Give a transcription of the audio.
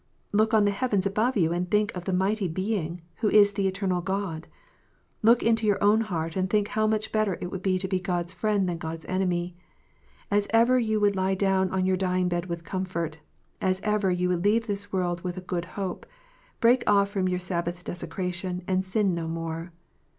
Look on the heavens above you, and think of the mighty Being, who is the eternal God. Look into your own heart, and think how much better it would be to be God s friend than God s enemy. As ever you would lie down on your dying bed with comfort, as ever you would leave this world with a good hope, break off from your Sabbath desecration, and sin no more.